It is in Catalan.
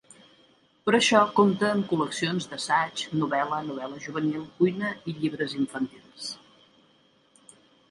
Per a això compta amb col·leccions d'assaig, novel·la, novel·la juvenil, cuina i llibres infantils.